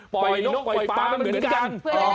ปล่อยนกปล่อยปลามันเหมือนกัน